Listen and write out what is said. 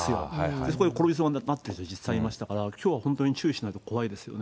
そこで転びそうになってる人、実際いましたから、きょうは本当注意しないと怖いですよね。